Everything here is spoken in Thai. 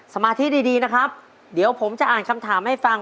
สมาธิดีดีนะครับเดี๋ยวผมจะอ่านคำถามให้ฟัง